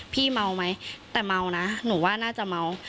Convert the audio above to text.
พี่เมาไหมแต่เมานะหนูว่าน่าจะเมา